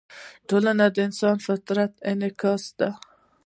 ټولنه د انسان د فطرت انعکاس ده.